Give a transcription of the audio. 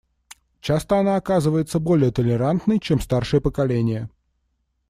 Часто она оказывается более толерантной, чем старшее поколение.